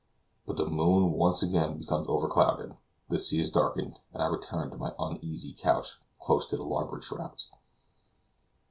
But the moon once again becomes overclouded; the sea is darkened, and I return to my uneasy couch close to the larboard shrouds.